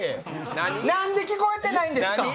何で聞こえてないんですか？